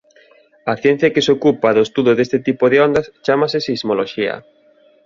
A ciencia que se ocupa do estudo deste tipo de ondas chámase sismoloxía.